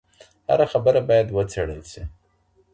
هره خبره باید وڅېړل شي.